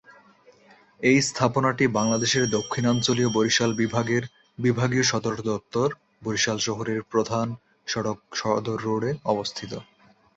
এই স্থাপনাটি বাংলাদেশের দক্ষিণাঞ্চলীয় বরিশাল বিভাগের বিভাগীয় সদরদপ্তর বরিশাল শহরের প্রধান সড়ক সদর রোডে অবস্থিত।